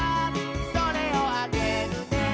「それをあげるね」